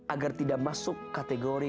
agar tidak masuk kategori